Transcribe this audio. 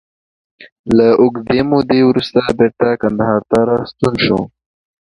له اوږدې مودې وروسته بېرته کندهار ته راستون شو.